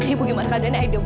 ibu gimana keadaannya aida